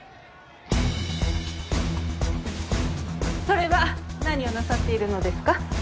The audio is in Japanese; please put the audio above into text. それは何をなさっているのですか？